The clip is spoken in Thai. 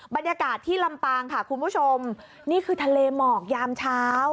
บรรยากาศที่ลำปางค่ะคุณผู้ชมนี่คือทะเลหมอกยามเช้า